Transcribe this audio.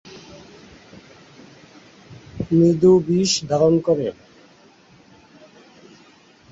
মৃদু বিষ ধারণ করে।